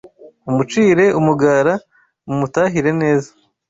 Mumucire umugara Mumutahire neza